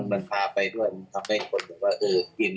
และการให้คนกิน